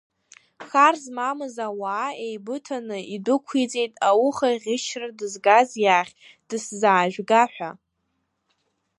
Хар змамыз ауаа еибыҭаны идәықәиҵеит ауха ӷьычра дызгаз иахь, дысзаажәга ҳәа.